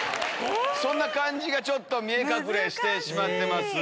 そんな感じがちょっと見え隠れしてしまってます。